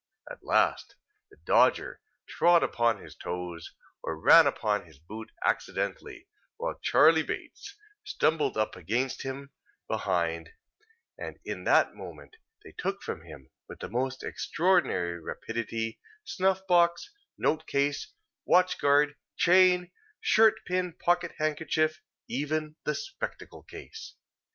At last, the Dodger trod upon his toes, or ran upon his boot accidently, while Charley Bates stumbled up against him behind; and in that one moment they took from him, with the most extraordinary rapidity, snuff box, note case, watch guard, chain, shirt pin, pocket handkerchief, even the spectacle case.